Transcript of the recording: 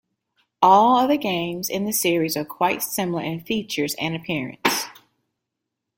All of the games in the series are quite similar in features and appearance.